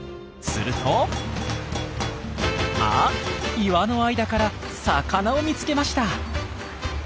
するとあっ岩の間から魚を見つけました！